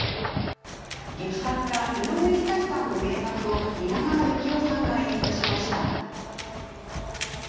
劇作家井上ひさしさんの名作を蜷川幸雄さんが演出しました。